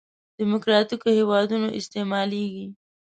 دیموکراتیکو هېوادونو استعمالېږي.